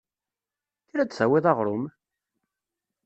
Kker ad d-tawiḍ aɣrum!